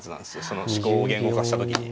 その思考を言語化した時に。